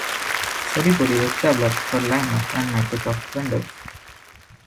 Sodipodi was developed for Linux and Microsoft Windows.